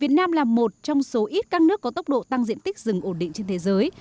việt nam là một trong số ít các nước có tốc độ tăng diện tích rừng ổn định trên thế giới